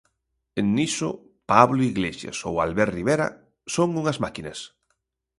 Niso Pablo Iglesias ou Albert Rivera son unhas máquinas.